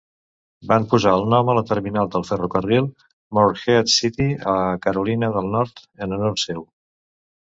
Van posar el nom a la terminal del ferrocarril, Morehead City, a Carolina del Nord, en honor seu.